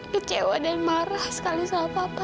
kecewa dan marah sekali sama papa